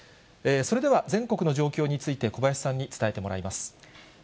それでは、全国の状況について小林さんに伝えてもらいます。